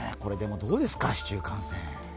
どうですか、市中感染。